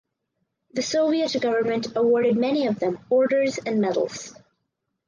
The Soviet government awarded many of them orders and medals.